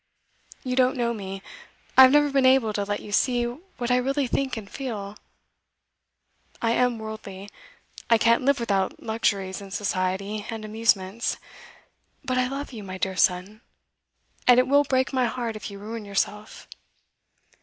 You don't know me; I have never been able to let you see what I really think and feel. I am worldly; I can't live without luxuries and society and amusements; but I love you, my dear son, and it will break my heart if you ruin yourself.